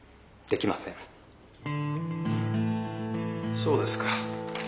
そうですか。